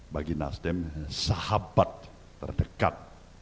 bagi nasdem sahabat terdekat